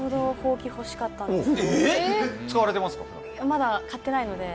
まだ買ってないので。